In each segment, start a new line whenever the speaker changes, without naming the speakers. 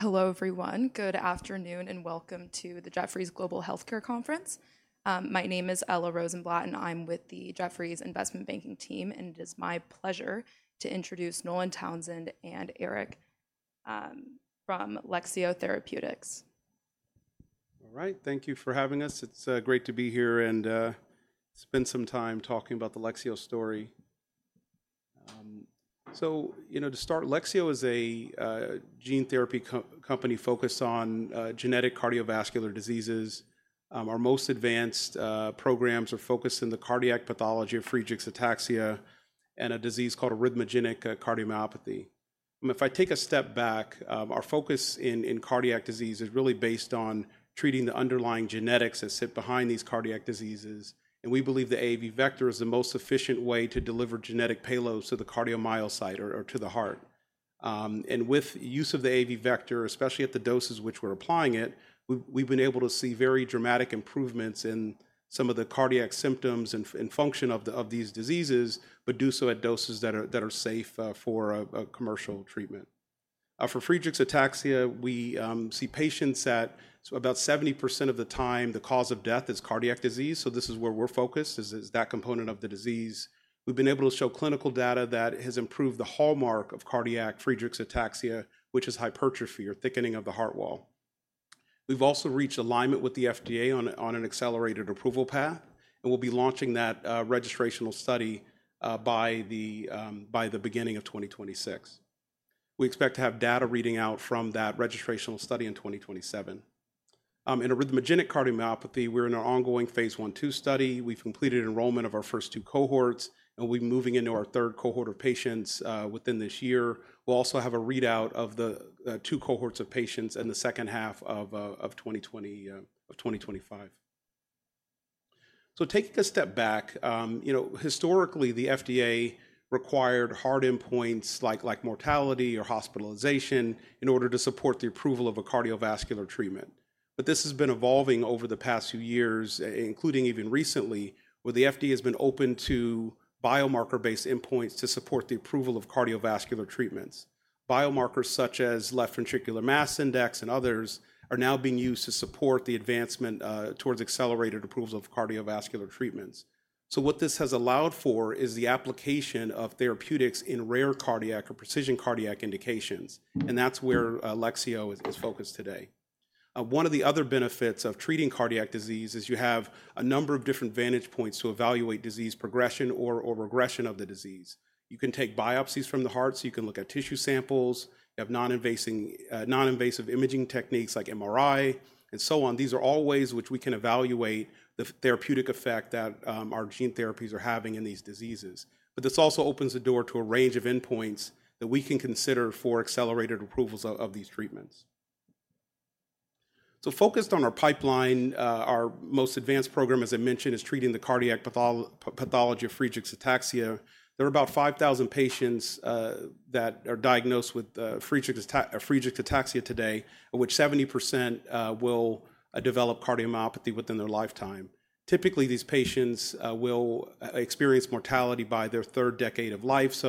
Hello, everyone. Good afternoon, and welcome to the Jefferies Global Healthcare Conference. My name is Ella Rosenblatt, and I'm with the Jefferies Investment Banking team. It is my pleasure to introduce Nolan Townsend and Eric from Lexeo Therapeutics.
All right, thank you for having us. It's great to be here and spend some time talking about the Lexeo story. So, you know, to start, Lexeo is a gene therapy company focused on genetic cardiovascular diseases. Our most advanced programs are focused in the cardiac pathology of Friedreich's ataxia and a disease called arrhythmogenic cardiomyopathy. If I take a step back, our focus in cardiac disease is really based on treating the underlying genetics that sit behind these cardiac diseases. And we believe the AAV vector is the most efficient way to deliver genetic payloads to the cardiomyocyte or to the heart. And with the use of the AAV vector, especially at the doses which we're applying it, we've been able to see very dramatic improvements in some of the cardiac symptoms and function of these diseases, but do so at doses that are safe for commercial treatment. For Friedreich's ataxia, we see patients that about 70% of the time the cause of death is cardiac disease. This is where we're focused, is that component of the disease. We've been able to show clinical data that has improved the hallmark of cardiac Friedreich's ataxia, which is hypertrophy or thickening of the heart wall. We've also reached alignment with the FDA on an accelerated approval path, and we'll be launching that registrational study by the beginning of 2026. We expect to have data reading out from that registrational study in 2027. In arrhythmogenic cardiomyopathy, we're in our ongoing phase one two study. We've completed enrollment of our first two cohorts, and we're moving into our third cohort of patients within this year. We'll also have a readout of the two cohorts of patients in the second half of 2025. Taking a step back, you know, historically, the FDA required hard endpoints like mortality or hospitalization in order to support the approval of a cardiovascular treatment. This has been evolving over the past few years, including even recently, where the FDA has been open to biomarker-based endpoints to support the approval of cardiovascular treatments. Biomarkers such as left ventricular mass index and others are now being used to support the advancement towards accelerated approvals of cardiovascular treatments. What this has allowed for is the application of therapeutics in rare cardiac or precision cardiac indications. That is where Lexeo is focused today. One of the other benefits of treating cardiac disease is you have a number of different vantage points to evaluate disease progression or regression of the disease. You can take biopsies from the heart, so you can look at tissue samples, have non-invasive imaging techniques like MRI, and so on. These are all ways which we can evaluate the therapeutic effect that our gene therapies are having in these diseases. This also opens the door to a range of endpoints that we can consider for accelerated approvals of these treatments. Focused on our pipeline, our most advanced program, as I mentioned, is treating the cardiac pathology of Friedreich's ataxia. There are about 5,000 patients that are diagnosed with Friedreich's ataxia today, of which 70% will develop cardiomyopathy within their lifetime. Typically, these patients will experience mortality by their third decade of life.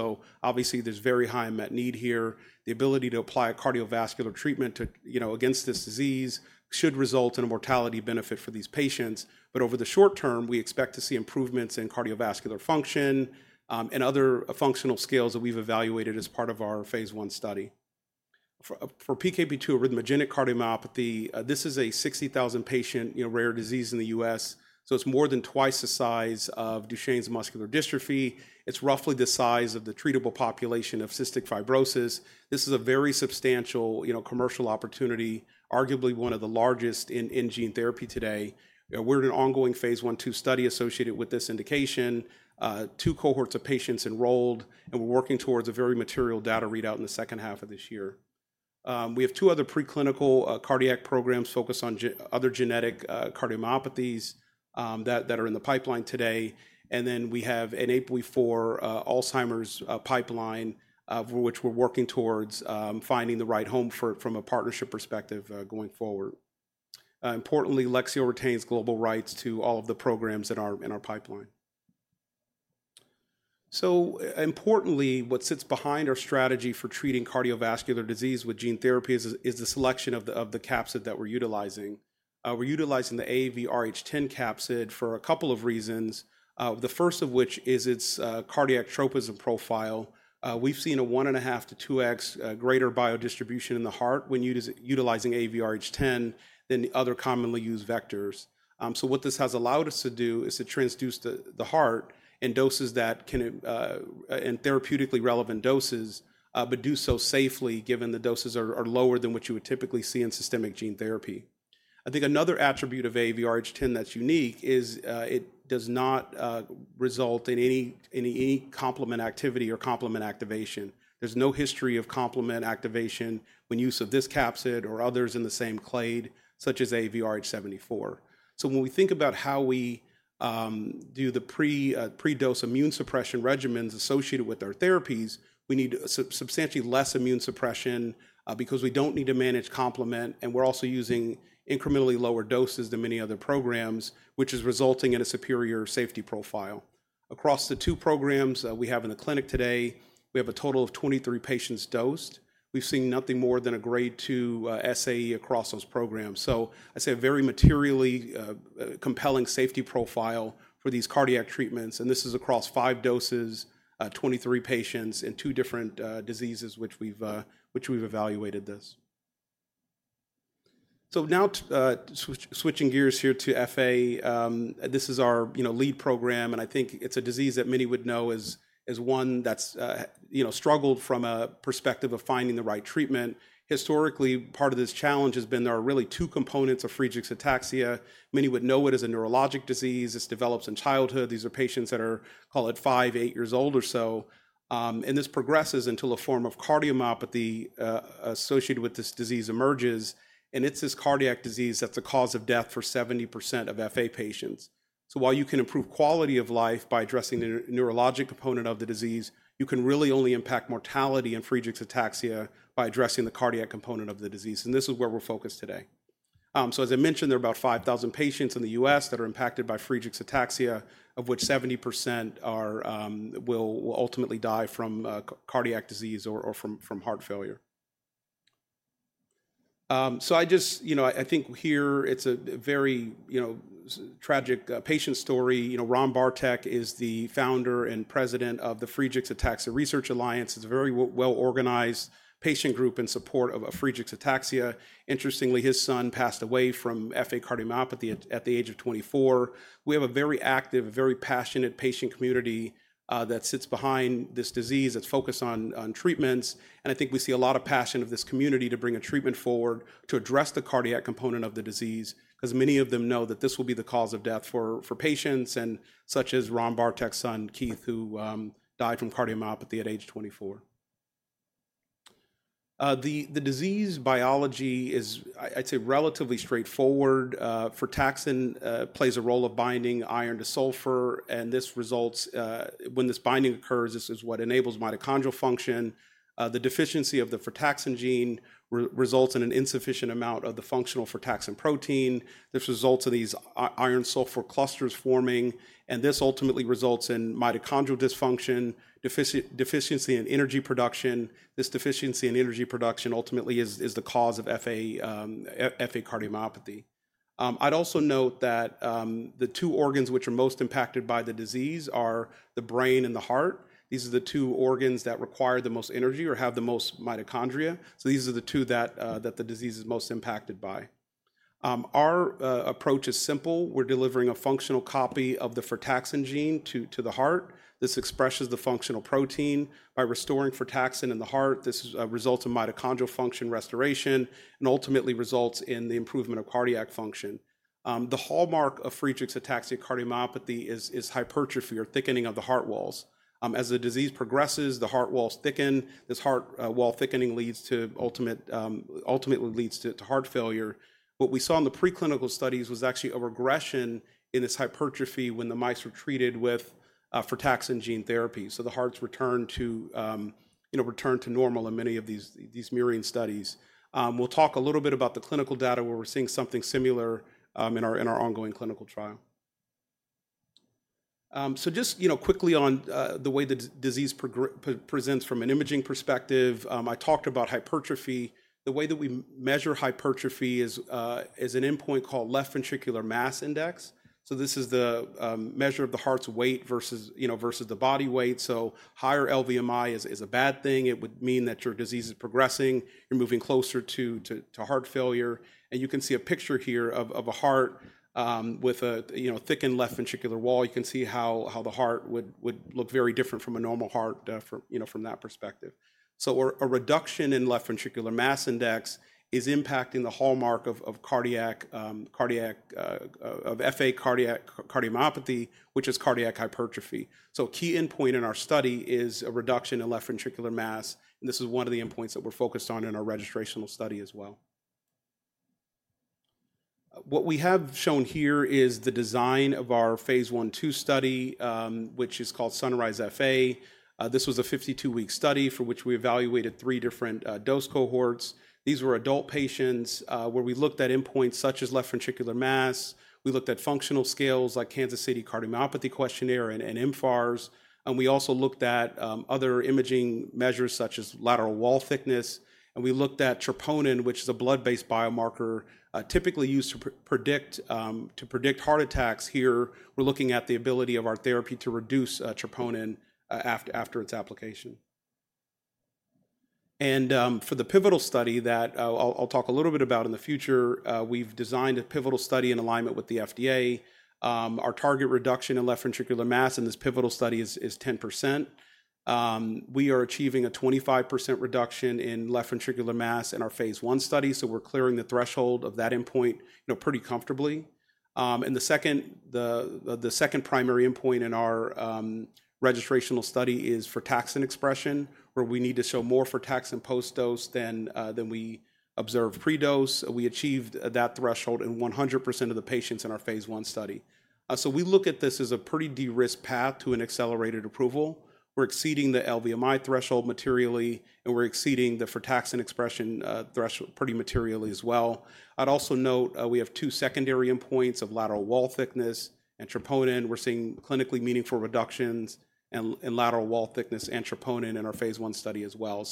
Obviously, there's very high met need here. The ability to apply a cardiovascular treatment against this disease should result in a mortality benefit for these patients. Over the short term, we expect to see improvements in cardiovascular function and other functional scales that we've evaluated as part of our phase one study. For PKP2 arrhythmogenic cardiomyopathy, this is a 60,000 patient rare disease in the U.S. It is more than twice the size of Duchenne's muscular dystrophy. It is roughly the size of the treatable population of cystic fibrosis. This is a very substantial commercial opportunity, arguably one of the largest in gene therapy today. We are in an ongoing phase one two study associated with this indication. Two cohorts of patients enrolled, and we are working towards a very material data readout in the second half of this year. We have two other preclinical cardiac programs focused on other genetic cardiomyopathies that are in the pipeline today. We have an APOE for Alzheimer's pipeline, which we're working towards finding the right home from a partnership perspective going forward. Importantly, Lexeo retains global rights to all of the programs in our pipeline. Importantly, what sits behind our strategy for treating cardiovascular disease with gene therapy is the selection of the capsid that we're utilizing. We're utilizing the AAVRH10 capsid for a couple of reasons, the first of which is its cardiac tropism profile. We've seen a 1.5x-2x greater biodistribution in the heart when utilizing AAVRH10 than the other commonly used vectors. What this has allowed us to do is to transduce the heart in doses that can and therapeutically relevant doses, but do so safely given the doses are lower than what you would typically see in systemic gene therapy. I think another attribute of AVRH10 that's unique is it does not result in any complement activity or complement activation. There's no history of complement activation when use of this capsid or others in the same clade, such as AVRH74. When we think about how we do the pre-dose immune suppression regimens associated with our therapies, we need substantially less immune suppression because we don't need to manage complement, and we're also using incrementally lower doses than many other programs, which is resulting in a superior safety profile. Across the two programs we have in the clinic today, we have a total of 23 patients dosed. We've seen nothing more than a grade two SAE across those programs. I say a very materially compelling safety profile for these cardiac treatments. This is across five doses, 23 patients in two different diseases which we've evaluated this. Now switching gears here to FA, this is our lead program, and I think it's a disease that many would know as one that's struggled from a perspective of finding the right treatment. Historically, part of this challenge has been there are really two components of Friedreich's ataxia. Many would know it as a neurologic disease. It's developed in childhood. These are patients that are called at five, eight years old or so. This progresses until a form of cardiomyopathy associated with this disease emerges. It's this cardiac disease that's a cause of death for 70% of FA patients. While you can improve quality of life by addressing the neurologic component of the disease, you can really only impact mortality in Friedreich's ataxia by addressing the cardiac component of the disease. This is where we're focused today. As I mentioned, there are about 5,000 patients in the U.S. that are impacted by Friedreich's ataxia, of which 70% will ultimately die from cardiac disease or from heart failure. I just, you know, I think here it's a very tragic patient story. Ron Bartek is the founder and president of the Friedreich's Ataxia Research Alliance. It's a very well-organized patient group in support of Friedreich's ataxia. Interestingly, his son passed away from FA cardiomyopathy at the age of 24. We have a very active, very passionate patient community that sits behind this disease that's focused on treatments. I think we see a lot of passion of this community to bring a treatment forward to address the cardiac component of the disease, because many of them know that this will be the cause of death for patients, such as Ron Bartek's son, Keith, who died from cardiomyopathy at age 24. The disease biology is, I'd say, relatively straightforward. Frataxin plays a role of binding iron to sulfur, and this results when this binding occurs, this is what enables mitochondrial function. The deficiency of the frataxin gene results in an insufficient amount of the functional frataxin protein. This results in these iron-sulfur clusters forming, and this ultimately results in mitochondrial dysfunction, deficiency in energy production. This deficiency in energy production ultimately is the cause of FA cardiomyopathy. I'd also note that the two organs which are most impacted by the disease are the brain and the heart. These are the two organs that require the most energy or have the most mitochondria. These are the two that the disease is most impacted by. Our approach is simple. We're delivering a functional copy of the frataxin gene to the heart. This expresses the functional protein. By restoring frataxin in the heart, this results in mitochondrial function restoration and ultimately results in the improvement of cardiac function. The hallmark of Friedreich's ataxia cardiomyopathy is hypertrophy or thickening of the heart walls. As the disease progresses, the heart walls thicken. This heart wall thickening ultimately leads to heart failure. What we saw in the preclinical studies was actually a regression in this hypertrophy when the mice were treated with frataxin gene therapy. The hearts returned to normal in many of these myriad studies. We'll talk a little bit about the clinical data where we're seeing something similar in our ongoing clinical trial. Just quickly on the way the disease presents from an imaging perspective, I talked about hypertrophy. The way that we measure hypertrophy is an endpoint called left ventricular mass index. This is the measure of the heart's weight versus the body weight. Higher LVMI is a bad thing. It would mean that your disease is progressing. You're moving closer to heart failure. You can see a picture here of a heart with a thickened left ventricular wall. You can see how the heart would look very different from a normal heart from that perspective. A reduction in left ventricular mass index is impacting the hallmark of FA cardiac cardiomyopathy, which is cardiac hypertrophy. A key endpoint in our study is a reduction in left ventricular mass. This is one of the endpoints that we're focused on in our registrational study as well. What we have shown here is the design of our phase one two study, which is called Sunrise FA. This was a 52-week study for which we evaluated three different dose cohorts. These were adult patients where we looked at endpoints such as left ventricular mass. We looked at functional scales like Kansas City Cardiomyopathy Questionnaire and MFARS. We also looked at other imaging measures such as lateral wall thickness. We looked at troponin, which is a blood-based biomarker typically used to predict heart attacks. Here, we're looking at the ability of our therapy to reduce troponin after its application. For the pivotal study that I'll talk a little bit about in the future, we've designed a pivotal study in alignment with the FDA. Our target reduction in left ventricular mass in this pivotal study is 10%. We are achieving a 25% reduction in left ventricular mass in our phase one study. We are clearing the threshold of that endpoint pretty comfortably. The second primary endpoint in our registrational study is frataxin expression, where we need to show more frataxin post-dose than we observed pre-dose. We achieved that threshold in 100% of the patients in our phase one study. We look at this as a pretty de-risked path to an accelerated approval. We are exceeding the LVMI threshold materially, and we are exceeding the frataxin expression threshold pretty materially as well. I'd also note we have two secondary endpoints of lateral wall thickness and troponin. We're seeing clinically meaningful reductions in lateral wall thickness and troponin in our phase I study as well.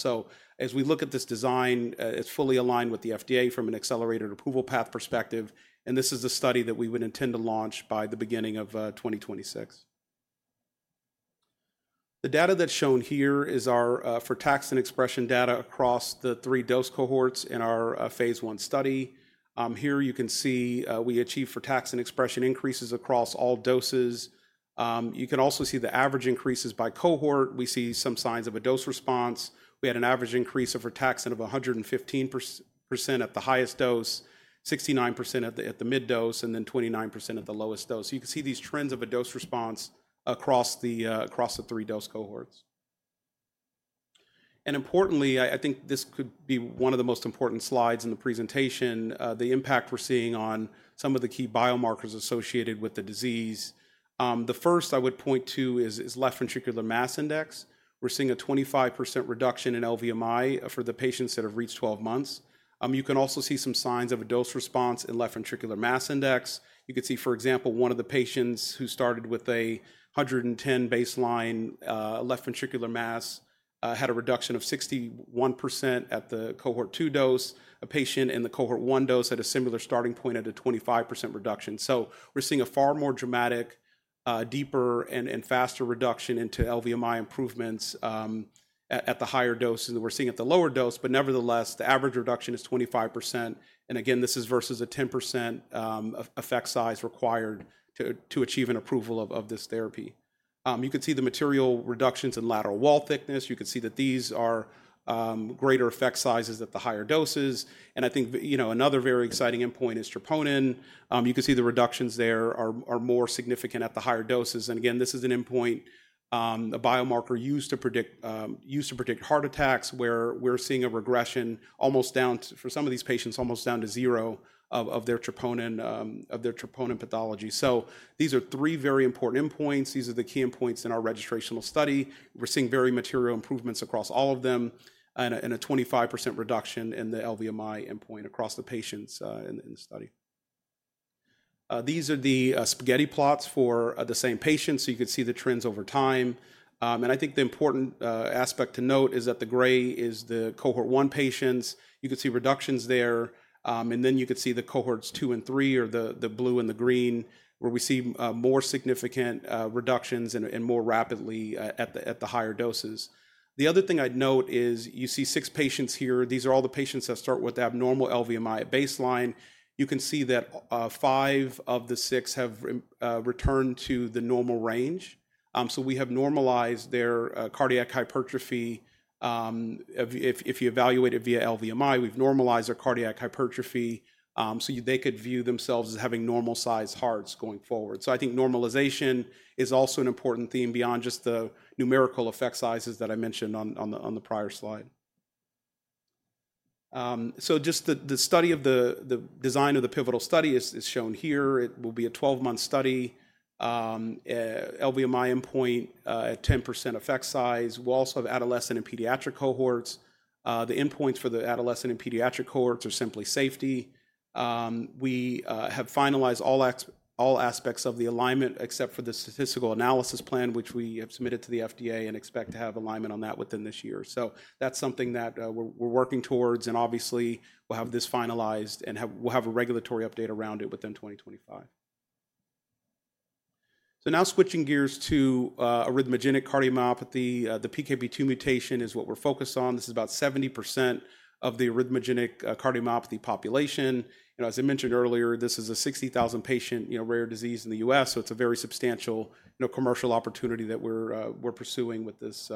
As we look at this design, it's fully aligned with the FDA from an accelerated approval path perspective. This is a study that we would intend to launch by the beginning of 2026. The data that's shown here is our frataxin expression data across the three dose cohorts in our phase I study. Here you can see we achieve frataxin expression increases across all doses. You can also see the average increases by cohort. We see some signs of a dose response. We had an average increase of frataxin of 115% at the highest dose, 69% at the mid dose, and 29% at the lowest dose. You can see these trends of a dose response across the three dose cohorts. Importantly, I think this could be one of the most important slides in the presentation, the impact we're seeing on some of the key biomarkers associated with the disease. The first I would point to is left ventricular mass index. We're seeing a 25% reduction in LVMI for the patients that have reached 12 months. You can also see some signs of a dose response in left ventricular mass index. You could see, for example, one of the patients who started with a 110 baseline left ventricular mass had a reduction of 61% at the cohort two dose. A patient in the cohort one dose had a similar starting point at a 25% reduction. We're seeing a far more dramatic, deeper, and faster reduction into LVMI improvements at the higher dose than we're seeing at the lower dose. Nevertheless, the average reduction is 25%. Again, this is versus a 10% effect size required to achieve an approval of this therapy. You can see the material reductions in lateral wall thickness. You can see that these are greater effect sizes at the higher doses. I think another very exciting endpoint is troponin. You can see the reductions there are more significant at the higher doses. This is an endpoint, a biomarker used to predict heart attacks where we're seeing a regression almost down for some of these patients, almost down to zero of their troponin pathology. These are three very important endpoints. These are the key endpoints in our registrational study. We're seeing very material improvements across all of them and a 25% reduction in the LVMI endpoint across the patients in the study. These are the spaghetti plots for the same patients. You could see the trends over time. I think the important aspect to note is that the gray is the cohort one patients. You could see reductions there. You could see the cohorts two and three or the blue and the green where we see more significant reductions and more rapidly at the higher doses. The other thing I'd note is you see six patients here. These are all the patients that start with abnormal LVMI at baseline. You can see that five of the six have returned to the normal range. We have normalized their cardiac hypertrophy if you evaluate it via LVMI. We've normalized their cardiac hypertrophy so they could view themselves as having normal-sized hearts going forward. I think normalization is also an important theme beyond just the numerical effect sizes that I mentioned on the prior slide. Just the study of the design of the pivotal study is shown here. It will be a 12-month study. LVMI endpoint at 10% effect size. We'll also have adolescent and pediatric cohorts. The endpoints for the adolescent and pediatric cohorts are simply safety. We have finalized all aspects of the alignment except for the statistical analysis plan, which we have submitted to the FDA and expect to have alignment on that within this year. That's something that we're working towards. Obviously, we'll have this finalized and we'll have a regulatory update around it within 2025. Now switching gears to arrhythmogenic cardiomyopathy. The PKP2 mutation is what we're focused on. This is about 70% of the arrhythmogenic cardiomyopathy population. As I mentioned earlier, this is a 60,000-patient rare disease in the U.S. It's a very substantial commercial opportunity that we're pursuing with this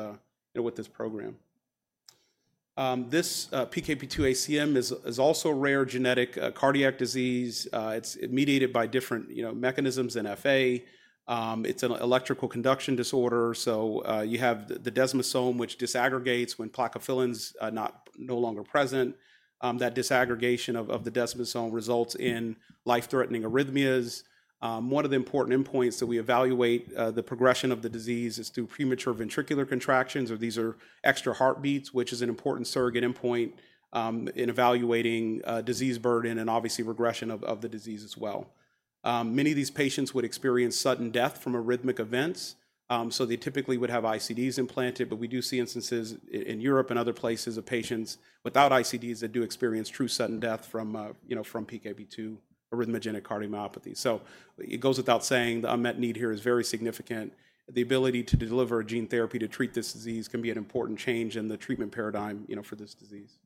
program. This PKP2 ACM is also a rare genetic cardiac disease. It's mediated by different mechanisms in FA. It's an electrical conduction disorder. You have the desmosome, which disaggregates when Plakophilins is no longer present. That disaggregation of the desmosome results in life-threatening arrhythmias. One of the important endpoints that we evaluate the progression of the disease is through premature ventricular contractions. These are extra heartbeats, which is an important surrogate endpoint in evaluating disease burden and obviously regression of the disease as well. Many of these patients would experience sudden death from arrhythmic events. They typically would have ICDs implanted. We do see instances in Europe and other places of patients without ICDs that do experience true sudden death from PKP2 arrhythmogenic cardiomyopathy. It goes without saying, the unmet need here is very significant. The ability to deliver a gene therapy to treat this disease can be an important change in the treatment paradigm for this disease.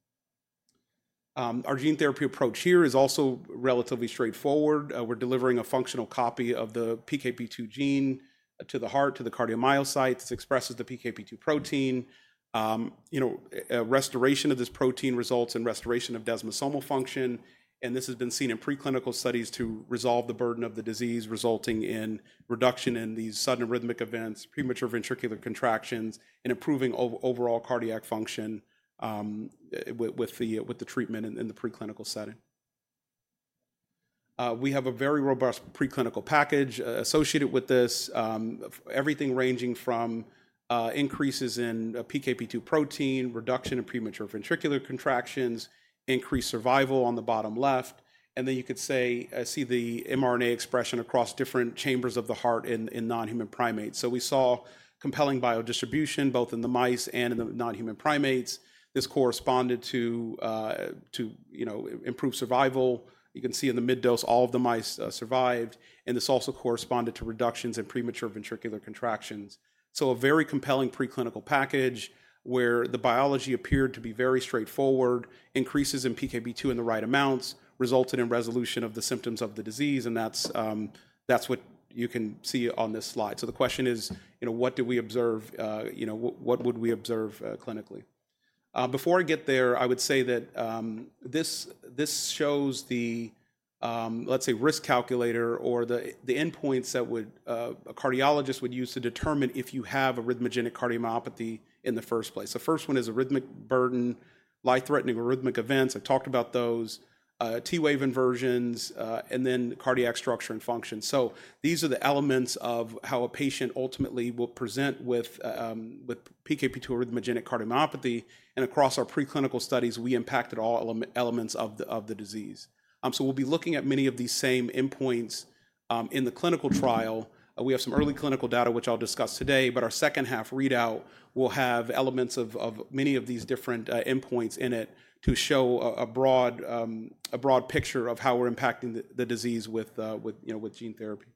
Our gene therapy approach here is also relatively straightforward. We're delivering a functional copy of the PKP2 gene to the heart, to the cardiomyocytes. It expresses the PKP2 protein. Restoration of this protein results in restoration of desmosomal function. This has been seen in preclinical studies to resolve the burden of the disease, resulting in reduction in these sudden arrhythmic events, premature ventricular contractions, and improving overall cardiac function with the treatment in the preclinical setting. We have a very robust preclinical package associated with this. Everything ranging from increases in PKP2 protein, reduction in premature ventricular contractions, increased survival on the bottom left. You could see the mRNA expression across different chambers of the heart in non-human primates. We saw compelling biodistribution both in the mice and in the non-human primates. This corresponded to improved survival. You can see in the mid dose, all of the mice survived. This also corresponded to reductions in premature ventricular contractions. A very compelling preclinical package where the biology appeared to be very straightforward, increases in PKP2 in the right amounts resulted in resolution of the symptoms of the disease. That is what you can see on this slide. The question is, what do we observe? What would we observe clinically? Before I get there, I would say that this shows the, let's say, risk calculator or the endpoints that a cardiologist would use to determine if you have arrhythmogenic cardiomyopathy in the first place. The first one is arrhythmic burden, life-threatening arrhythmic events. I talked about those, T-wave inversions, and then cardiac structure and function. These are the elements of how a patient ultimately will present with PKP2 arrhythmogenic cardiomyopathy. Across our preclinical studies, we impacted all elements of the disease. We will be looking at many of these same endpoints in the clinical trial. We have some early clinical data, which I'll discuss today. Our second-half readout will have elements of many of these different endpoints in it to show a broad picture of how we're impacting the disease with gene therapy.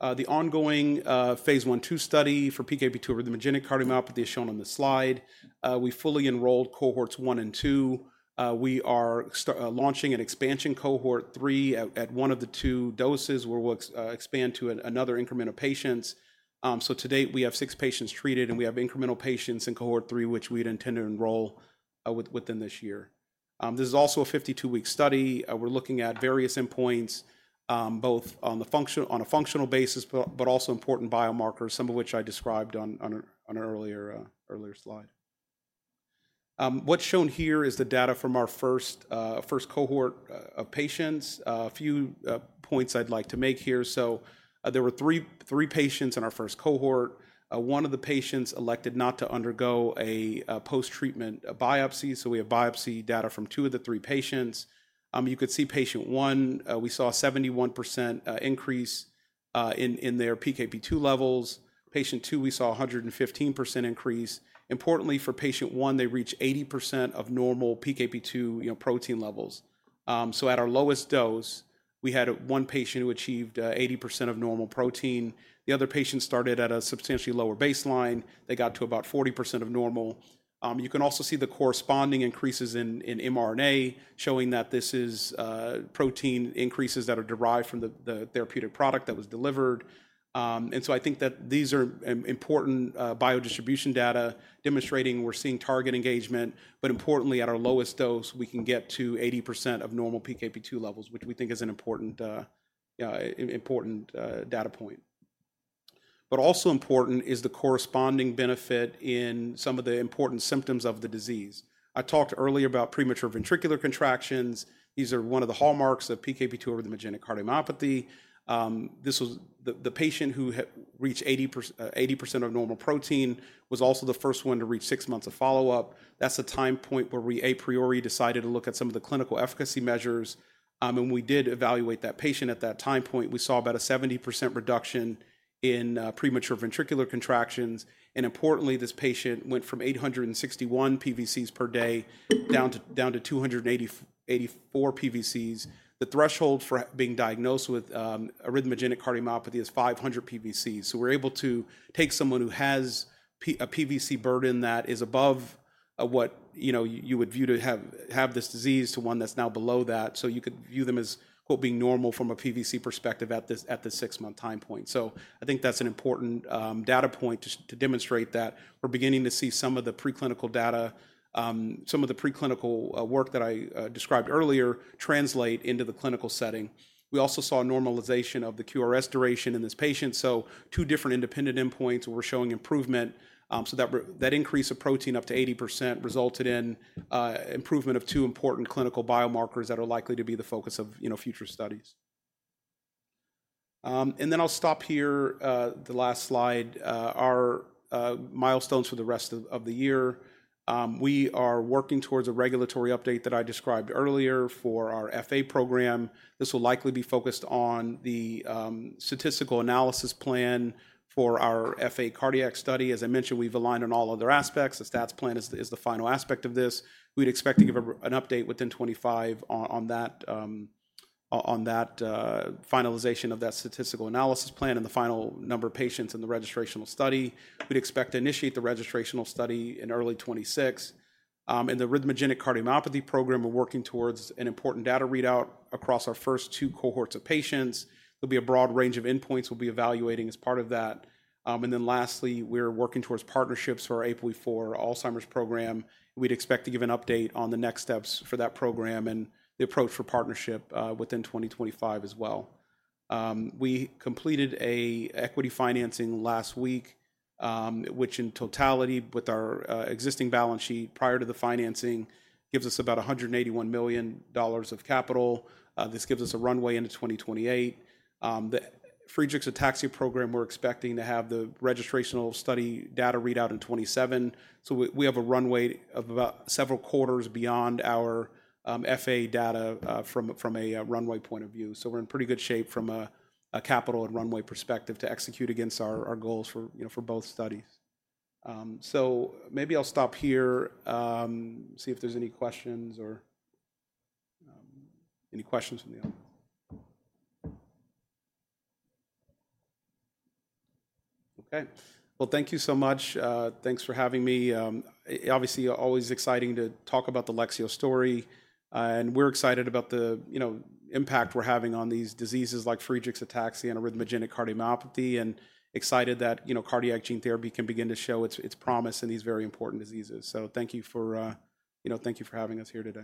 The ongoing phase I/II study for PKP2 arrhythmogenic cardiomyopathy is shown on this slide. We fully enrolled cohorts one and two. We are launching an expansion cohort three at one of the two doses where we'll expand to another increment of patients. To date, we have six patients treated, and we have incremental patients in cohort three, which we'd intend to enroll within this year. This is also a 52-week study. We're looking at various endpoints both on a functional basis, but also important biomarkers, some of which I described on an earlier slide. What's shown here is the data from our first cohort of patients. A few points I'd like to make here. There were three patients in our first cohort. One of the patients elected not to undergo a post-treatment biopsy. We have biopsy data from two of the three patients. You could see patient one, we saw a 71% increase in their PKP2 levels. Patient two, we saw a 115% increase. Importantly, for patient one, they reached 80% of normal PKP2 protein levels. At our lowest dose, we had one patient who achieved 80% of normal protein. The other patient started at a substantially lower baseline. They got to about 40% of normal. You can also see the corresponding increases in mRNA showing that this is protein increases that are derived from the therapeutic product that was delivered. I think that these are important biodistribution data demonstrating we are seeing target engagement. Importantly, at our lowest dose, we can get to 80% of normal PKP2 levels, which we think is an important data point. Also important is the corresponding benefit in some of the important symptoms of the disease. I talked earlier about premature ventricular contractions. These are one of the hallmarks of PKP2 arrhythmogenic cardiomyopathy. The patient who reached 80% of normal protein was also the first one to reach six months of follow-up. That is a time point where we a priori decided to look at some of the clinical efficacy measures. We did evaluate that patient at that time point. We saw about a 70% reduction in premature ventricular contractions. Importantly, this patient went from 861 PVCs per day down to 284 PVCs. The threshold for being diagnosed with arrhythmogenic cardiomyopathy is 500 PVCs. We were able to take someone who has a PVC burden that is above what you would view to have this disease to one that is now below that. You could view them as being normal from a PVC perspective at the six-month time point. I think that is an important data point to demonstrate that we are beginning to see some of the preclinical data, some of the preclinical work that I described earlier translate into the clinical setting. We also saw normalization of the QRS duration in this patient. Two different independent endpoints were showing improvement. That increase of protein up to 80% resulted in improvement of two important clinical biomarkers that are likely to be the focus of future studies. I'll stop here, the last slide, our milestones for the rest of the year. We are working towards a regulatory update that I described earlier for our FA program. This will likely be focused on the statistical analysis plan for our FA cardiac study. As I mentioned, we've aligned on all other aspects. The stats plan is the final aspect of this. We'd expect to give an update within 2025 on that finalization of that statistical analysis plan and the final number of patients in the registrational study. We'd expect to initiate the registrational study in early 2026. In the arrhythmogenic cardiomyopathy program, we're working towards an important data readout across our first two cohorts of patients. There'll be a broad range of endpoints we'll be evaluating as part of that. Lastly, we're working towards partnerships for our APOE for Alzheimer's program. We'd expect to give an update on the next steps for that program and the approach for partnership within 2025 as well. We completed an equity financing last week, which in totality with our existing balance sheet prior to the financing gives us about $181 million of capital. This gives us a runway into 2028. The Friedreich's ataxia program, we're expecting to have the registrational study data readout in 2027. We have a runway of about several quarters beyond our FA data from a runway point of view. We're in pretty good shape from a capital and runway perspective to execute against our goals for both studies. Maybe I'll stop here, see if there's any questions or any questions from the audience. Okay. Thank you so much. Thanks for having me. Obviously, always exciting to talk about the Lexeo story. We're excited about the impact we're having on these diseases like Friedreich's ataxia and arrhythmogenic cardiomyopathy and excited that cardiac gene therapy can begin to show its promise in these very important diseases. Thank you for having us here today.